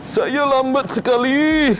saya lambat sekali